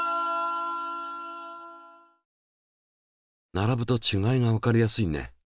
並ぶとちがいがわかりやすいね。